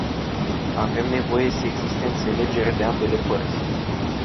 Avem nevoie să existe înțelegere de ambele părți.